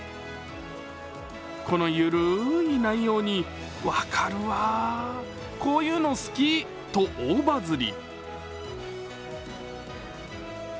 このゆるい内容に、わかるわ、こういうの好き、と大バズり。